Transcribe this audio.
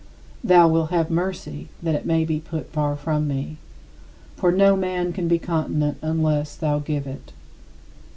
Thou wilt have mercy that it may be put far from me. For no man can be continent unless thou give it.